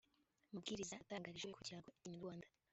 mabwiriza atangarijwe kugira ngo ikinyarwanda